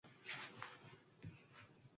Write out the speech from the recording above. Artificial tears have no reported interactions.